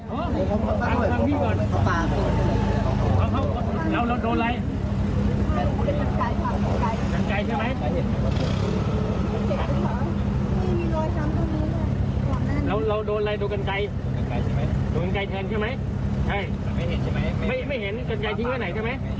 ไม่เห็นกันไกลทิ้งไว้ไหนใช่ไหม